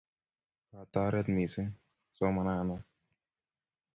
Kotoret missing' somana na